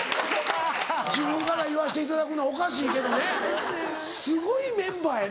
自分から言わしていただくのおかしいけどねすごいメンバーやで。